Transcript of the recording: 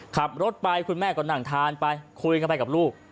ขับรถไปคุณแม่ก็นั่งทานไปคุยกันไปกับลูก